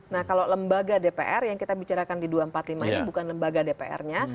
nah kalau lembaga dpr yang kita bicarakan di dua ratus empat puluh lima ini bukan lembaga dpr nya